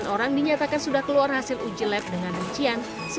satu ratus sembilan orang dinyatakan sudah keluar hasil uji lab dengan rencian